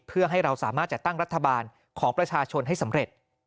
เพื่อให้เราสามารถจัดตั้งรัฐบาลของประชาชนให้สำเร็จ